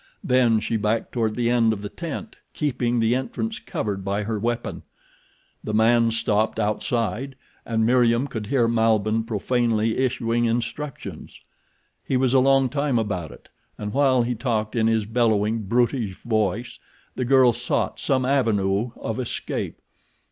Then she backed toward the end of the tent, keeping the entrance covered by her weapon. The man stopped outside, and Meriem could hear Malbihn profanely issuing instructions. He was a long time about it, and while he talked in his bellowing, brutish voice, the girl sought some avenue of escape.